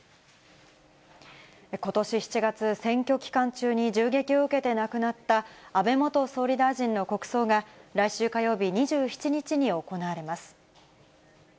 ことし７月、選挙期間中に銃撃を受けて亡くなった安倍元総理大臣の国葬が、来週火曜日２７日に行われます。